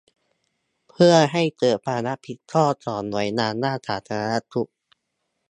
เพื่อให้เกิดความรับผิดชอบของหน่วยงานด้านสาธารณสุข